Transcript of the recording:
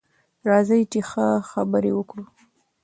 راځئ چې ښه خبرې وکړو.